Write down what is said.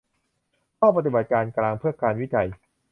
ห้องปฏิบัติการกลางเพื่อการวิจัย